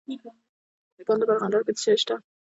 د کندهار په ارغنداب کې څه شی شته؟